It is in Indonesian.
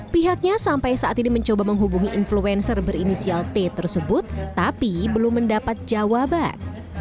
pihaknya sampai saat ini mencoba menghubungi influencer berinisial t tersebut tapi belum mendapat jawaban